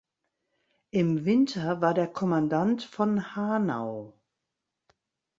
Im Winter war der Kommandant von Hanau.